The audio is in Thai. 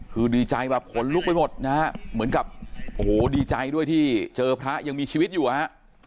คือดีใจแบบขนลุกไปหมดนะฮะเหมือนกับโอ้โหดีใจด้วยที่เจอพระยังมีชีวิตอยู่ฮะ